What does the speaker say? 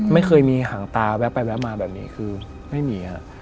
ไม่เคยมีหางตาแวะไปแวะมาแบบนี้คือไม่มีครับ